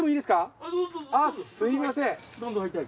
すみません。